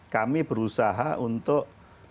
kami berusaha untuk